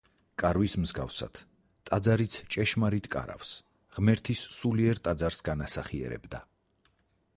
კარვის მსგავსად ტაძარიც „ჭეშმარიტ კარავს“, ღმერთის სულიერ ტაძარს განასახიერებდა.